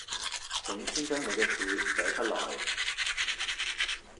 請先將你嘅字寫出來